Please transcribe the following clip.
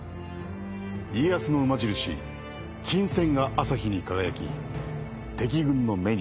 家康の馬印金扇が朝日に輝き敵軍の目に留まった。